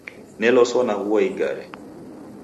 Neloswa naghua igare.